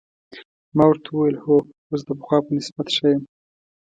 ما ورته وویل: هو، اوس د پخوا په نسبت ښه یم.